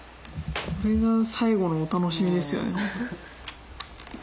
これが最後のお楽しみですよね。